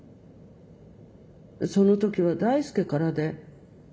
その時は大輔からで。